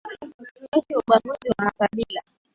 Tuache ubaguzi wa makabila